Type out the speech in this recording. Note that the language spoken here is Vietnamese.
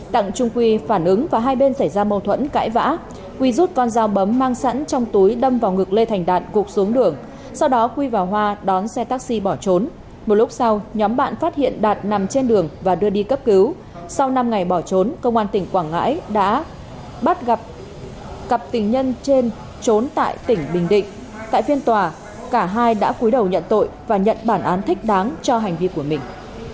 đặng trung quy phản ứng và hai bên xảy ra mâu thuẫn cãi vã quy rút con dao bấm mang sẵn trong túi đâm vào ngực lê thành đạt gục xuống đường sau đó quy vào hoa đón xe taxi bỏ trốn một lúc sau nhóm bạn phát hiện đạt nằm trên đường và đưa đi cấp cứu sau năm ngày bỏ trốn công an tỉnh quảng ngãi đã bắt gặp cặp tình nhân trên trốn tại tỉnh bình định tại phiên tòa cả hai đã cuối đầu nhận tội và nhận bản án thích đáng cho hành vi của mình